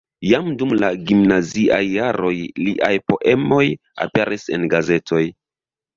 Jam dum la gimnaziaj jaroj liaj poemoj aperis en gazetoj.